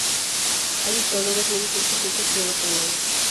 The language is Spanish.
Hay astrólogos muy estrictos y otros que lo son menos.